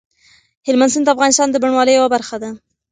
هلمند سیند د افغانستان د بڼوالۍ یوه برخه ده.